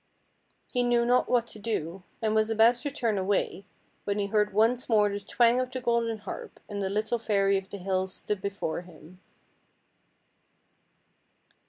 He knew not what to do, and was about to turn away, when he heard once more the twang of the golden harp, and the little fairy of the hills stood before him.